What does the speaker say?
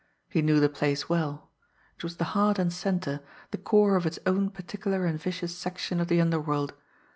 He knew the place well. It was the heart and centre, the core of its own particular and vicious section of the underworld.